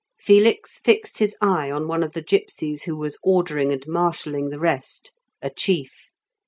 Felix fixed his eye on one of the gipsies who was ordering and marshalling the rest, a chief.